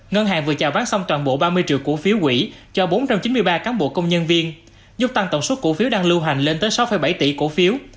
ngân hàng vừa chào bán xong toàn bộ ba mươi triệu cổ phiếu quỹ cho bốn trăm chín mươi ba cán bộ công nhân viên giúp tăng tổng suất cổ phiếu đang lưu hành lên tới sáu bảy tỷ cổ phiếu